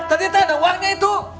tadi teda uangnya itu